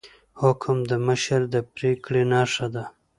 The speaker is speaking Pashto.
حکم د مشر د پریکړې نښه ده